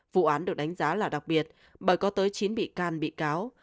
vụ án được đánh giá là đặc biệt bởi có tới chín bị can bị cáo